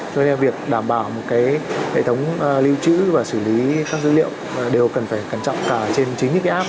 cho nên việc đảm bảo một cái hệ thống lưu trữ và xử lý các dữ liệu đều cần phải cẩn trọng cả trên chính những cái app